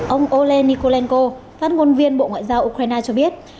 ông olen nikolenko phát ngôn viên bộ ngoại giao ukraine cho biết